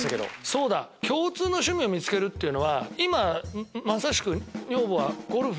そうだ共通の趣味を見つけるのは今まさしく。